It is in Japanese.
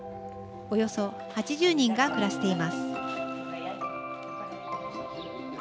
およそ８０人が暮らしています。